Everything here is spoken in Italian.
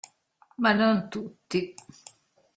Ma non tutti.